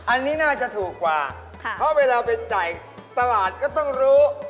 อันนี้น่าจะถูกกว่าเพราะเวลาไปจ่ายตลาดก็ต้องรู้